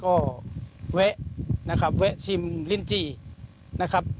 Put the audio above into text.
ก็แวะนะครับแวะชิมลินจี้นะครับ